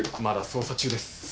まだ捜査中です。